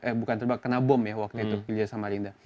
eh bukan kena bom ya waktu itu pindah samarinda